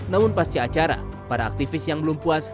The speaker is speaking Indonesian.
namun pasca acara para aktivis yang belum puas